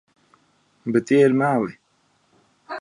Bet tie ir meli.